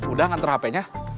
udah nganter hp nya